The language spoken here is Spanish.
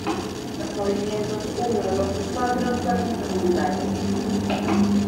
Los movimientos uno, dos y cuatro son instrumentales.